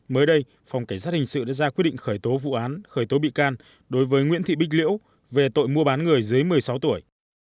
mới đây phòng cảnh sát hình sự đã ra quyết định khởi tố vụ án khởi tố bị can đối với nguyễn thị bích liễu về tội mua bán người dưới một mươi sáu tuổi